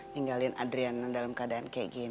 ninggalin adriana dalam keadaan kayak gini